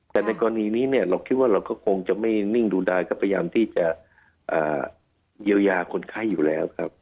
แต่ในกรณีนี้เนี่ยเราคิดว่าเราก็คงจะไม่นิ่งดูดายก็พยายามที่จะเยียวยาคนไข้อยู่แล้วครับ